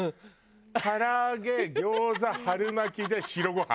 唐揚げ餃子春巻きで白ご飯。